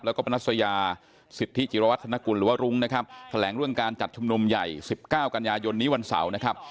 แล้วก็ปนัสยาสิทธิจิรวัฒนกุลหรือว่ารุ้งนะครับแถลงเรื่องการจัดชุมนุมใหญ่๑๙กันยายนนี้วันเสาร์นะครับ